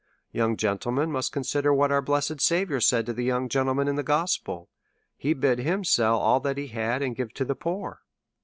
Young gentlemen must consider what our blessed Saviour said to the young gentleman in the gospel ; he bid him sell all that he had, and give it to the poor.